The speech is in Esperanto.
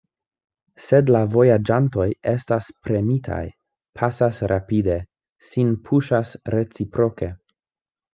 Sed la vojaĝantoj estas premitaj, pasas rapide, sin puŝas reciproke.